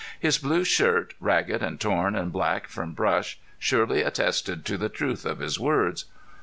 His blue shirt, ragged and torn and black from brush, surely attested to the truth of his words.